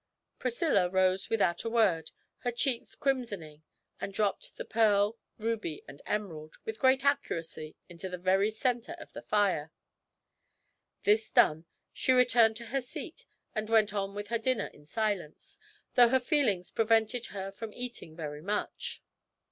Priscilla rose without a word, her cheeks crimsoning, and dropped the pearl, ruby, and emerald, with great accuracy, into the very centre of the fire. This done, she returned to her seat, and went on with her dinner in silence, though her feelings prevented her from eating very much.